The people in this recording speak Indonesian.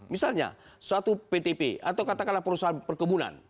misalnya suatu ptp atau katakanlah perusahaan perkebunan